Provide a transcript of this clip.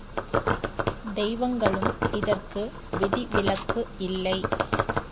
தெய்வங்களும் இதற்கு விதி விலக்கு இல்லை.